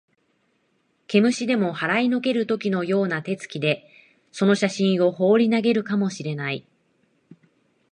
毛虫でも払いのける時のような手つきで、その写真をほうり投げるかも知れない